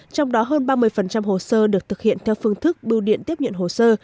trong đó hơn ba mươi hồ sơ được thực hiện theo phương thức bưu điện tiếp nhận hồ sơ